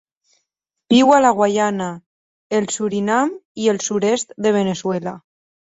Viu a la Guyana, el Surinam i el sud-est de Veneçuela.